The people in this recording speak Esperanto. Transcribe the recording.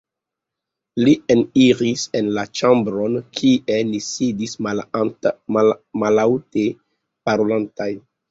Li eniris en la ĉambron, kie ni sidis mallaŭte parolantaj.